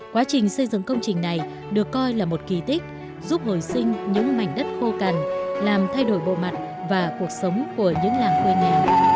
quá trình xây dựng công trình này được coi là một kỳ tích giúp hồi sinh những mảnh đất khô cằn làm thay đổi bộ mặt và cuộc sống của những làng quê nghèo